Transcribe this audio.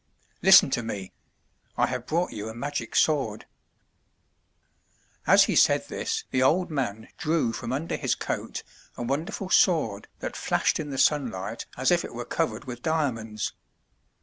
Listen to me! I have brought you a magic sword/* As he said this, the old man drew from under his coat a won derful sword that flashed in the sunlight as if it were covered with diamonds.